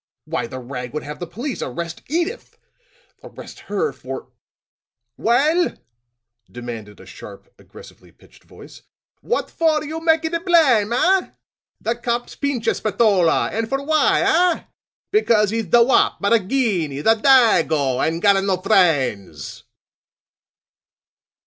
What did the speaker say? Why, the rag would have the police arrest Edyth arrest her for " "Well," demanded a sharp, aggressively pitched voice, "what for you make a da blame, eh? Da cops pinch a Spatola, and for why, eh? Because he's da wop, da Ginney, da Dago and got a no friends."